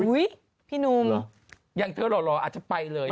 อุ้ยพี่นุมหรอยังเจอรออาจจะไปเลย